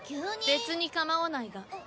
別にかまわないが。